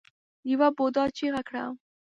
يوه بوډا چيغه کړه.